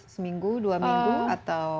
seminggu dua minggu atau